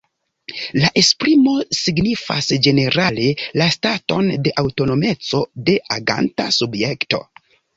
La esprimo signifas ĝenerale la staton de aŭtonomeco de aganta subjekto.